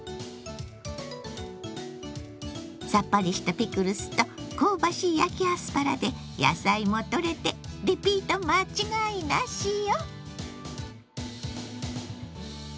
さっぱりしたピクルスと香ばしい焼きアスパラで野菜もとれてリピート間違いなしよ！